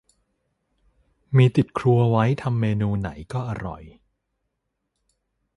มีติดครัวไว้ทำเมนูไหนก็อร่อย